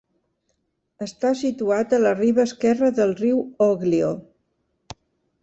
Està situat a la riba esquerra del riu Oglio.